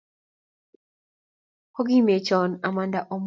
kokimekgion amanda omut